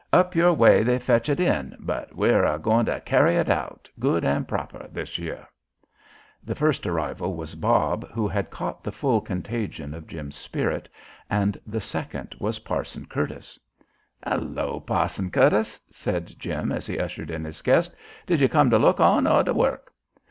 Up your way they fetch it in, but we're a goin' to carry it out, good and proper, this year." The first arrival was Bob, who had caught the full contagion of Jim's spirit, and the second was Parson Curtis. "Hello, Pa'son Curtis," said Jim as he ushered in his guest. "Did you come to look on or to work?"